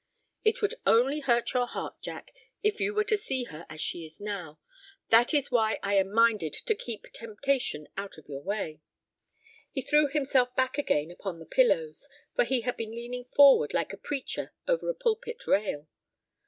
It would only hurt your heart, Jack, if you were to see her as she is now. That is why I am minded to keep temptation out of your way." He threw himself back again upon the pillows, for he had been leaning forward like a preacher over a pulpit rail.